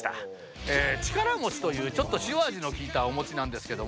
力餅というちょっと塩味のきいたお餅なんですけども。